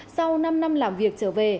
sau năm năm làm việc trở về